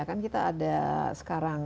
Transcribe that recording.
kan kita ada sekarang